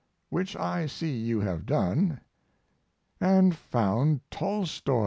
Which I see you have done, & found Tolstoi.